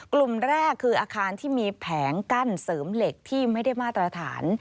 กลุ่มแรกคืออาคารที่มีแผงกั้นเสริมเหล็กที่ไม่ได้มาตรฐาน